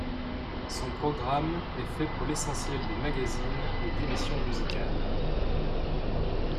Son programme est fait pour l’essentiel de magazines et d’émissions musicales.